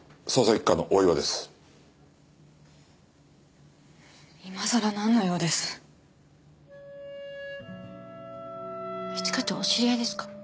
一課長お知り合いですか？